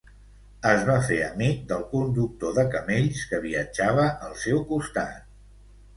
Es va fer amic del conductor de camells que viatjava al seu costat.